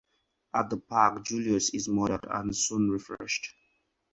At the park, Julius is murdered and soon refreshed.